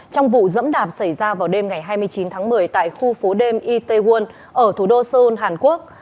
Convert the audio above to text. trong vụ dẫm đạp xảy ra vào đêm ngày hai mươi chín tháng một mươi tại khu phố đêm itaewon ở thủ đô seoul hàn quốc